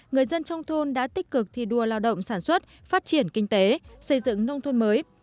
người dân trong thôn đã tích cực thi đua lao động sản xuất phát triển kinh tế xây dựng nông thôn mới